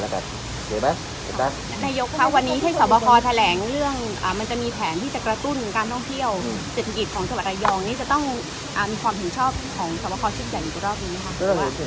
โอเคไหม